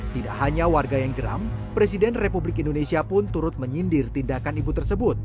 tidak hanya warga yang geram presiden republik indonesia pun turut menyindir tindakan ibu tersebut